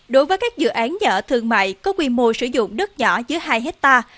đối với các dự án nhà ở thương mại có quy mô sử dụng đất nhỏ dưới hai hectare